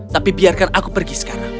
tapi biarkan aku pergi sekarang